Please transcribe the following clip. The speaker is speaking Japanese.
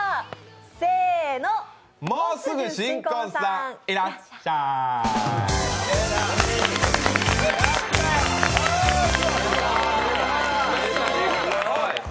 せーの、もうすぐ新婚さんいらっしゃい！